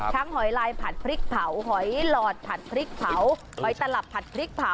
หอยลายผัดพริกเผาหอยหลอดผัดพริกเผาหอยตลับผัดพริกเผา